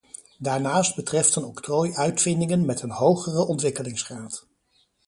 Daarnaast betreft een octrooi uitvindingen met een hogere ontwikkelingsgraad.